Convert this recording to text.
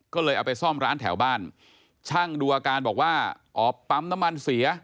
ก็เลยเอาไปซ่อมร้านแถวบ้านช่างดูอาการบอกว่าอ๋อปั๊มน้ำมันเสีย